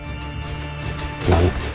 何？